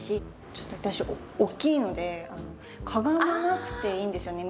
ちょっと私大きいのでかがまなくていいんですよね。